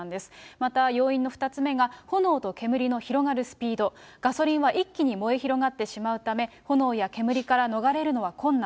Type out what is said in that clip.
また要因の２つ目が、炎と煙の広がるスピード、ガソリンは一気に燃え広がってしまうため、炎や煙から逃れるのは困難。